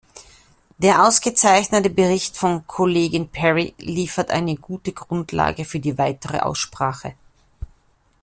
Der ausgezeichnete Bericht von Kollegen Perry liefert eine gute Grundlage für die weitere Aussprache.